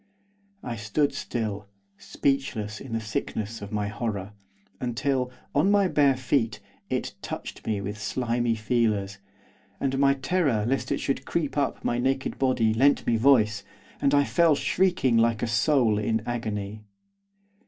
I stood still, speechless in the sickness of my horror. Until, on my bare feet, it touched me with slimy feelers, and my terror lest it should creep up my naked body lent me voice, and I fell shrieking like a soul in agony.